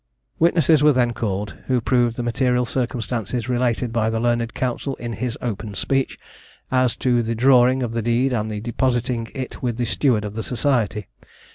Witnesses were then called, who proved the material circumstances related by the learned counsel in his opening speech, as to the drawing the deed, and depositing it with the steward of the society.